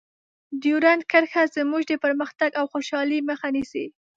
ډیورنډ کرښه زموږ د پرمختګ او خوشحالۍ مخه نیسي.